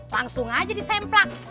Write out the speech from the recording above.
langsung aja disemplak